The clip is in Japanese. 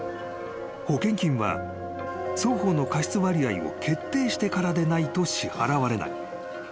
［保険金は双方の過失割合を決定してからでないと支払われない］